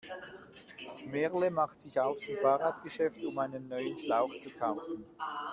Merle macht sich auf zum Fahrradgeschäft, um einen neuen Schlauch zu kaufen.